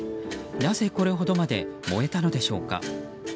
なぜ、これほどまで燃えたのでしょうか？